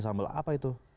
pakai sambel apa itu